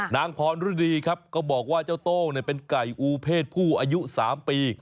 นางพรฤดีครับก็บอกว่าเจ้าโต้งเป็นไก่อูเพศผู้อายุ๓ปี